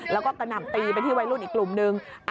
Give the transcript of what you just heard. แล้วก็กระหน่ำตีไปที่วัยรุ่นอีกกลุ่มนึง